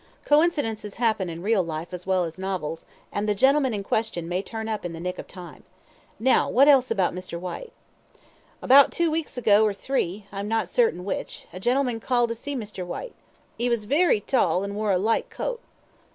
"Coincidences happen in real life as well as in novels, and the gentleman in question may turn up in the nick of time. Now, what else about Mr. Whyte?" "About two weeks ago, or three, I'm not cert'in which, a gentleman called to see Mr. Whyte; 'e was very tall, and wore a light coat."